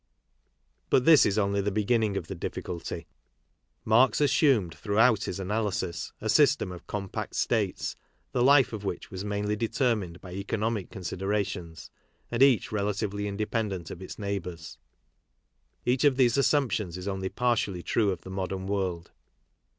But this is only the beginning of the difficulty. Marx assumed throughout his analysis a system of compact states the life of which was mainly determined by economic considerations, and each relatively indepen dent of its neighbours. Each of these assumptions is only partially true of the modern world.